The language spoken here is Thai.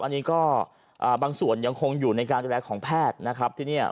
อันนี้ก็บางส่วนยังคงอยู่ในการดูแลของแพทย์นะครับ